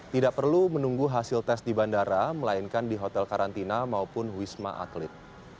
tidak perlu menunggu hasil tes di bandara melainkan di hotel karantina maupun wisma atlet